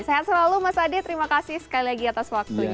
sehat selalu mas adi terima kasih sekali lagi atas waktunya